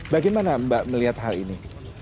bagaimana mbak melihat hal ini